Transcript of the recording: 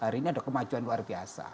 hari ini ada kemajuan luar biasa